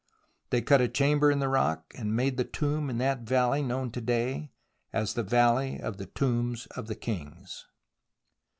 They cut a chamber in the rock, and made the tomb in that valley known to day as the Valley of the '^ombs of the Kings.